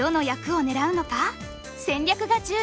戦略が重要！